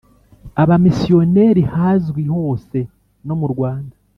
abamisiyoneri hazwi hose, nomurwanda